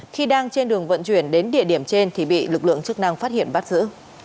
khi đang trên đường vận chuyển đến địa điểm trên thì bị lực lượng chức năng phát hiện bắt giữ